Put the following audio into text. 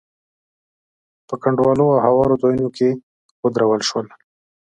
په کنډوالو او هوارو ځايونو کې ودرول شول.